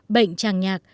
bệnh tràng nhạc